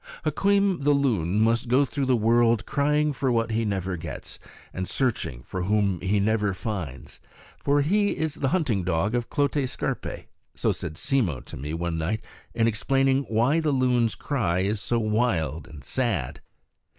[Illustration: Hukweem] Hukweem the loon must go through the world crying for what he never gets, and searching for one whom he never finds; for he is the hunting dog of Clote Scarpe. So said Simmo to me one night in explaining why the loon's cry is so wild and sad.